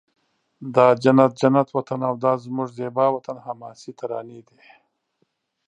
دا جنت جنت وطن او دا زموږ زیبا وطن حماسې ترانې دي